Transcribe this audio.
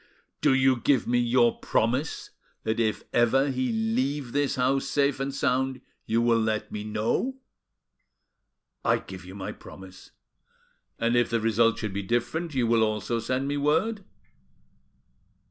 "Do you give me your promise that if ever he leave this house safe and sound you will let me know?" "I give you my promise." "And if the result should be different, you will also send me word?"